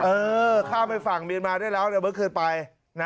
เออต้องข่ามไปฝั่งเมียนมาด้วยเบิร์รเกิดไป